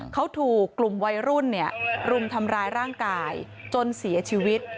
เขาถูกกลุ่มวัยรุ่นรุมทำร้ายร่างกายจนเสียชีวิต